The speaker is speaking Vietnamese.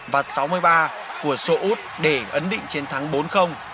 và sáu mươi ba của seout để ấn định chiến thắng bốn